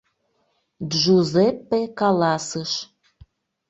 Джузеппе каласыш: